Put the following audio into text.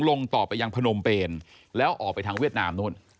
ลงต่อไปยังพนมเปนแล้วออกไปทางเวียดนามนู่น